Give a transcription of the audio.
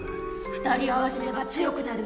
２人合わせれば強くなる。